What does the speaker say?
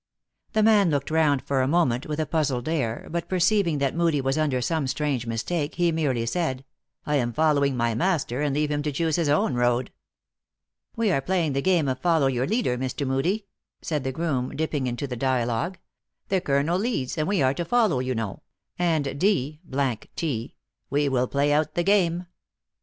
The man looked around for a moment with a puz z ed air, but perceiving that Moodie was under some strange mistake, he merely said :" I am following my master, and leave him to choose his own road." " We are playing the game of follow your leader, Mr. Moodie," said the groom, dipping into the dia logue. " The Colonel leads, and we are to follow you know; and d 1, we will play out the game."